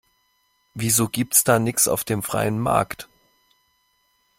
Wieso gibt's da nix auf dem freien Markt?